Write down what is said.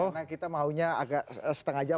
karena kita maunya agak setengah jam